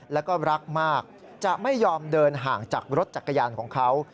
แล้วก็รักมากจะไม่ยอมเดินห่างจากรถจักรยานของเขา